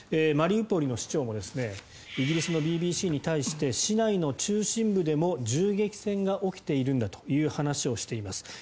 マリウポリの市長もイギリスのＢＢＣに対して市内の中心部でも銃撃戦が起きているんだという話をしています。